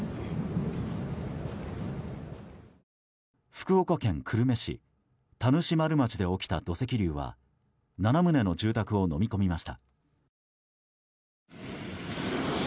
福岡県久留米市田主丸町で起きた土石流は７棟の住宅をのみ込みました。